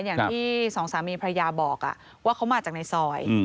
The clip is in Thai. อย่างที่สองสามีพระยาบอกว่าเขามาจากในซอย